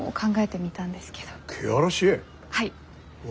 はい。